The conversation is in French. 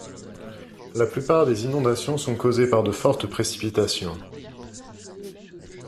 La plupart des inondations sont causées par de fortes précipitations.